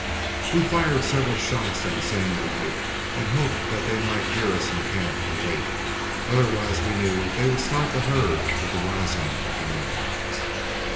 We fired several shots on seeing the light, in the hope that they might hear us in camp and wait; otherwise we knew they would start the herd with the rising of the moon.